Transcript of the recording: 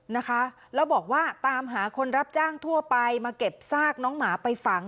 นะคะแล้วบอกว่าตามหาคนรับจ้างทั่วไปมาเก็บซากน้องหมาไปฝัง